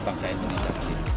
dan bangsa indonesia